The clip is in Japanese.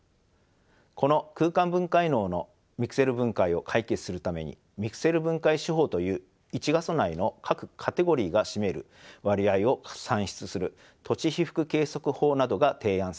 この空間分解能のミクセル問題を解決するためにミクセル分解手法という１画素内の各カテゴリが占める割合を算出する土地被覆計測法などが提案されています。